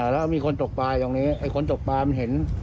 แล้วมีคนตกปลาตรงนี้ไอ้คนตกปลามันเห็น